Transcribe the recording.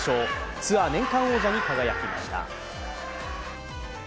ツアー年間王者に輝きました。